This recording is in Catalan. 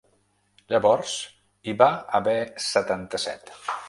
Llavors hi va haver setanta-set.